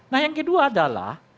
nah yang kedua adalah